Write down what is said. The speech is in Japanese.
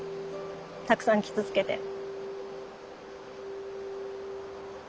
たくさん傷つけて。